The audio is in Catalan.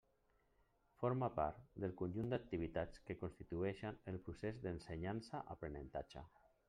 Forme part del conjunt d'activitats que constituïxen el procés d'ensenyança-aprenentatge.